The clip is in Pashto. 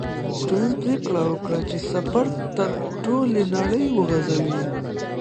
سټيونز پرېکړه وکړه چې سفر تر ټولې نړۍ وغځوي.